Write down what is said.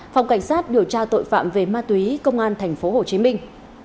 phòng cảnh sát điều tra tội phạm về ma túy công an tp hồ chí minh